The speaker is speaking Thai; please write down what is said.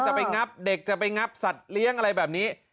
จะไปงับเด็กจะไปงับสัตว์เลี้ยงอะไรแบบนี้